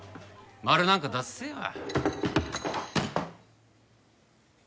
マルなんかだっせえわ。